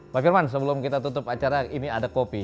pak firman sebelum kita tutup acara ini ada kopi